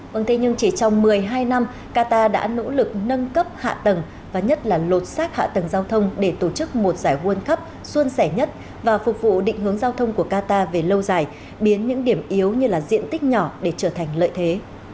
vâng thế nhưng chỉ trong một mươi hai năm qatar đã nỗ lực nâng cấp hạ tầng và nhất là lột xác hạ tầng giao thông để tổ chức một giải world cup xuân rẻ nhất và phục vụ định hướng giao thông của qatar về lâu dài biến những điểm yếu như là diện tích nhỏ để trở thành lợi thế